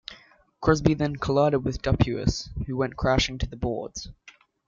Crosby then collided with Dupuis, who went crashing to the boards.